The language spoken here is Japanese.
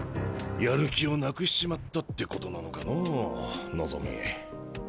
やる気をなくしちまったってことなのかのう望。